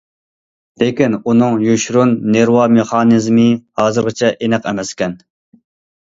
لېكىن، ئۇنىڭ يوشۇرۇن نېرۋا مېخانىزمى ھازىرغىچە ئېنىق ئەمەسكەن.